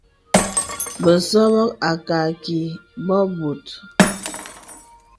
Bəsɔbɔ̄ à kààkì bɔ̄ bòt.